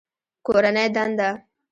کورنۍ دنده